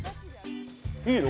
いいの？